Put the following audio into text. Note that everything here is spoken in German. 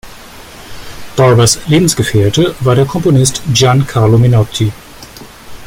Barbers Lebensgefährte war der Komponist Gian Carlo Menotti.